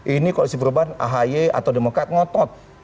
ini koalisi perubahan ahi atau demokrat ngotot